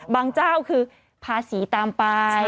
เจ้าคือภาษีตามไป